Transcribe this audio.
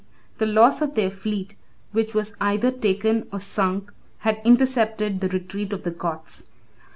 The loss of their fleet, which was either taken or sunk, had intercepted the retreat of the Goths.